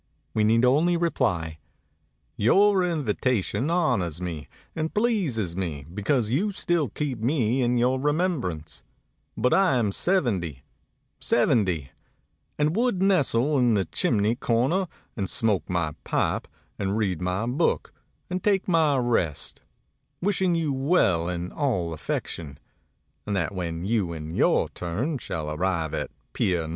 We need only reply, "Your invitation honors me and pleases me because you still keep me in your remembrance, but I am seventy, seventy, and would nestle in the chimney cor ner, and smoke my pipe, and read my book, and take my rest, wishing you well in all affection, and that when you in your turn shall arrive at pier No.